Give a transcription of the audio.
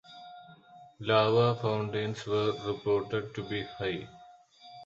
Lava fountains were reported to be high.